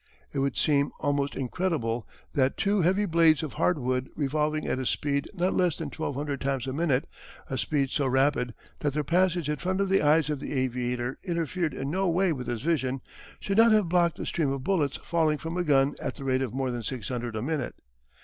It would seem almost incredible that two heavy blades of hard wood revolving at a speed not less that twelve hundred times a minute, a speed so rapid that their passage in front of the eyes of the aviator interfered in no way with his vision, should not have blocked a stream of bullets falling from a gun at the rate of more than six hundred a minute.